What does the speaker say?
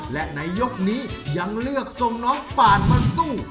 และในยกนี้ยังเลือกส่งน้องป่านมาสู้